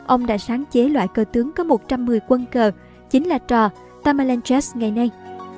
ông đã sáng chế loại cờ tướng có một trăm một mươi quân cờ chính là trò tamalanchas ngày nay